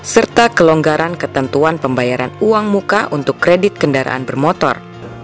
serta kelonggaran ketentuan pembayaran uang muka untuk kredit kendaraan bermotor